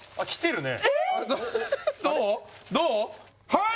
はい！